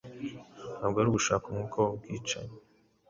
Ntabwo ari ugushaka umwuka wubwicanyi